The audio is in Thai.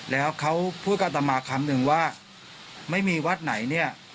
แล้วเขาพูดอัตมาคำหนึ่งว่าไม่มีวัดไหนเนี่ย